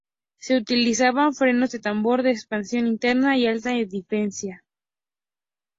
Se utilizaban frenos de tambor de expansión interna y alta eficiencia.